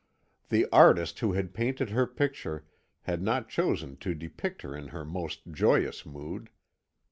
The artist who had painted her picture had not chosen to depict her in her most joyous mood.